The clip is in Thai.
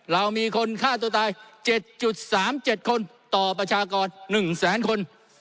เรามีคนฆ่าตัวตาย๗๓๗คนต่อประชากร๑แสนคน